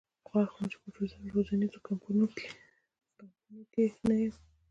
خوښ وم چې په روزنیزو کمپونو کې نه یم.